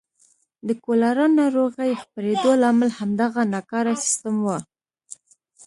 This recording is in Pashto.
د کولرا ناروغۍ خپرېدو لامل همدغه ناکاره سیستم و.